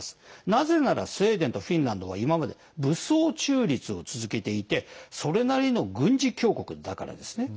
なぜならスウェーデンとフィンランドは今まで武装中立を続けていてそれなりの軍事強国だからですね。